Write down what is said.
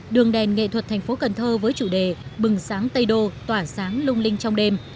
đường đèn nghệ thuật thành phố cần thơ với chủ đề bừng sáng tây đô tỏa sáng lung linh trong đêm